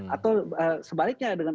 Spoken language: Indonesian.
atau sebaliknya dengan